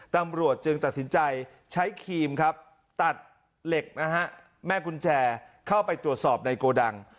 ตำรวจจึงตัดสินใจใช้ครีมครับตัดเหล็กนะฮะแม่กุญแจเข้าไปตรวจสอบในโกดัง